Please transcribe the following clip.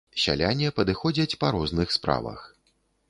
Сяляне падыходзяць па розных справах.